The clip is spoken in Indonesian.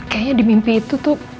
kayaknya di mimpi itu tuh